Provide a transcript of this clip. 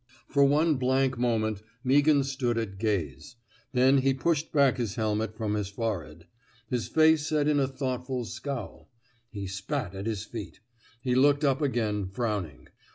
For one blank moment, Meaghan stood at gaze. Then he pushed back his helmet from his forehead; his face set in a thoughtful scowl; he spat at his feet; he looked up again, frowning.